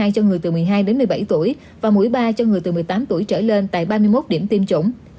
cho người từ một mươi hai đến một mươi bảy tuổi và mũi ba cho người từ một mươi tám tuổi trở lên tại ba mươi một điểm tiêm chủng